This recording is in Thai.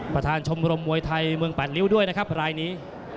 ประธานชมรมมวยไทยเมืองแปดริ้วด้วยนะครับรายนี้